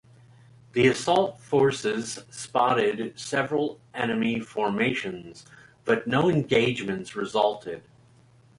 The assault forces spotted several enemy formations, but no engagements resulted.